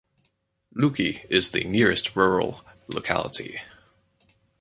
Luki is the nearest rural locality.